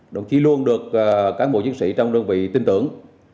đồng chí luôn được cán bộ chiến sĩ trong đơn vị tin tưởng